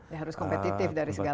ya harus kompetitif dari segala